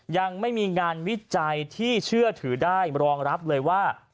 ยังไม่มีงานวิจัยที่เชื่อถือได้รองรับเลยว่า